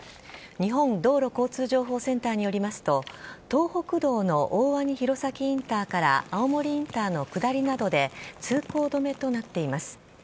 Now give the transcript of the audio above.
日本道路交通情報センターによりますと、東北道の大鰐弘前インターから青森インターの下りなどで通行止めとなっています。